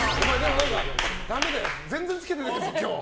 全然つけてないですよ、今日。